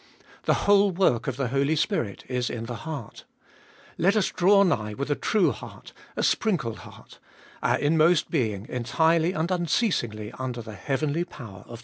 The whole work of the Holy Spirit is in the heart. Let us draw nigh with a true heart, a sprinkled heart, our inmost being entirely and unceasingly under the heavenly power of the blood.